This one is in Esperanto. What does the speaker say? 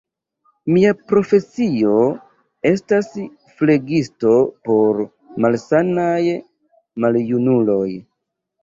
Mia profesio estas flegisto por malsanaj maljunuloj.